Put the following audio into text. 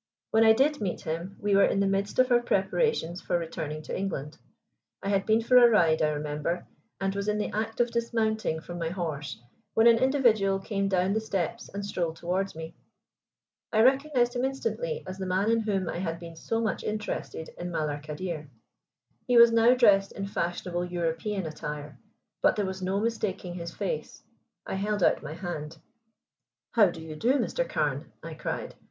When I did meet him we were in the midst of our preparations for returning to England. I had been for a ride, I remember, and was in the act of dismounting from my horse, when an individual came down the steps and strolled towards me. I recognized him instantly as the man in whom I had been so much interested in Malar Kadir. He was now dressed in fashionable European attire, but there was no mistaking his face. I held out my hand. "How do you do, Mr. Carne?" I cried.